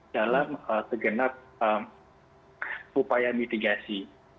dalam segenap upaya mitigasi